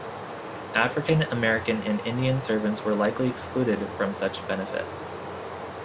African-American and Indian servants were likely excluded from such benefits.